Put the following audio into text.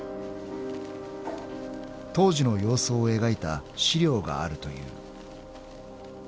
［当時の様子を描いた史料があるという］